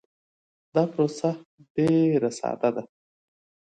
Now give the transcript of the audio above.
دا پروسه ډیر ساده ده.